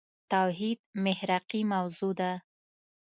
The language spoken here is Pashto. توحيد محراقي موضوع ده.